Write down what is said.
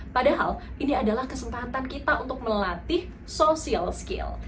padahal ini adalah kesempatan kita untuk melatih social skill